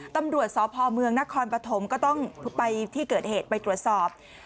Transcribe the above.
ตำรวจสพเมืองนครปฐมก็ต้องไปที่เกิดเหตุไปตรวจสอบ